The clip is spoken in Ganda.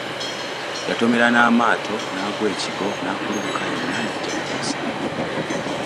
Yatomera Namaato n'agwa ekigwo n'akulubuka yenna n'ajja n'omusaayi.